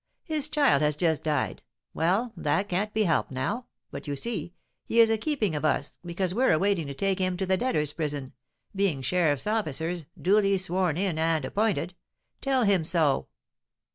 His child has just died. Well, that can't be helped now; but, you see, he is a keeping of us, because we're a waiting to take him to the debtors' prison, being sheriffs' officers, duly sworn in and appointed. Tell him so!"